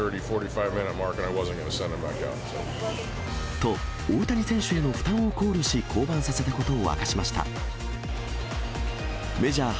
と、大谷選手への負担を考慮し、降板させたことを明かしました。